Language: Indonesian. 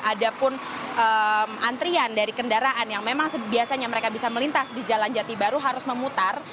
ada pun antrian dari kendaraan yang memang biasanya mereka bisa melintas di jalan jati baru harus memutar